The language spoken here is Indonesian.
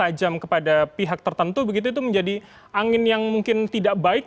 tajam kepada pihak tertentu begitu itu menjadi angin yang mungkin tidak baik